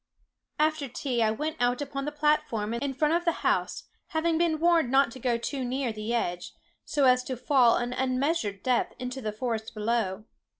"After tea, I went out upon the platform in front of the house, having been warned not to go too near the edge, so as to fall an unmeasured depth into the forest below.